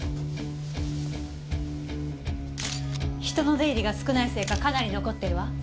人の出入りが少ないせいかかなり残ってるわ。